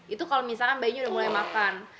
itu kalau misalkan bayinya udah mulai makan